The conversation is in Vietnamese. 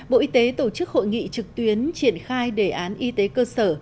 bộ y tế tổ chức hội nghị trực tuyến triển khai đề án y tế cơ sở